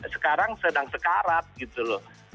sekarang sedang sekarat gitu loh